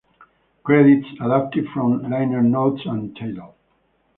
Credits adapted from liner notes and Tidal.